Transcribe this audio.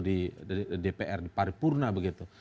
di dpr di paripurna begitu